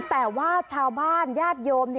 แต่ว่าชาวบ้านญาติโยม